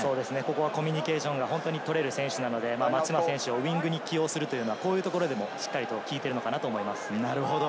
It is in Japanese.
コミュニケーションが取れる選手なので、松島選手はウイングに起用するというのはこういうところでも効いていると思います。